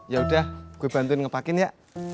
ya udah gue bantuin ngepakin ya